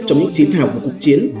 trong những chiến thảo của cuộc chiến